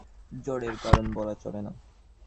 জড়কে শক্তির কারণ অথবা শক্তিকে জড়ের কারণ বলা চলে না।